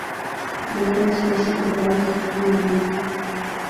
لیکن اس کوشش کے باعث فیکٹری اور میل